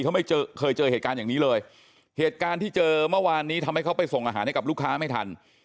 เขาไม่เจอเคยเจอเหตุการณ์อย่างนี้เลยเหตุการณ์ที่เจอเมื่อวานนี้ทำให้เขาไปส่งอาหารให้กับลูกค้าไม่ทัน